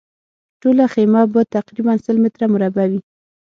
ټوله خیمه به تقریباً سل متره مربع وي.